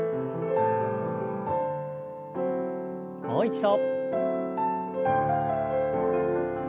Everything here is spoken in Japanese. もう一度。